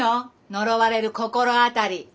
呪われる心当たり。